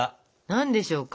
何でしょうか？